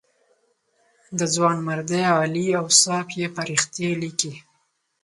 د ځوانمردۍ عالي اوصاف یې فرښتې لیکلې.